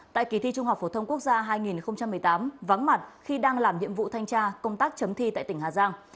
tại kỳ thi trung học phổ thông quốc gia hai nghìn một mươi tám vắng mặt khi đang làm nhiệm vụ thanh tra công tác chấm thi tại tỉnh hà giang